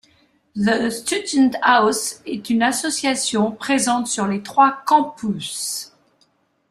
The Student House est une association présente sur les trois campus.